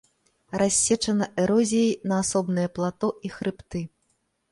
Рассечана эрозіяй на асобныя плато і хрыбты.